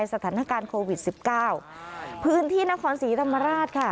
สถานการณ์โควิดสิบเก้าพื้นที่นครศรีธรรมราชค่ะ